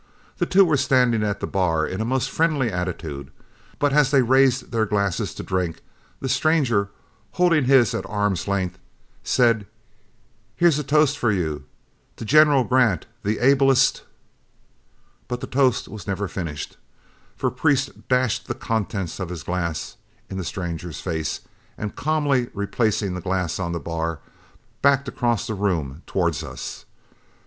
The two were standing at the bar in a most friendly attitude, but as they raised their glasses to drink, the stranger, holding his at arm's length, said: "Here's a toast for you: To General Grant, the ablest" But the toast was never finished, for Priest dashed the contents of his glass in the stranger's face, and calmly replacing the glass on the bar, backed across the room towards us.